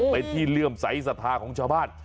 เป็นที่เลื่อมใสสัทธาของชาวบ้าน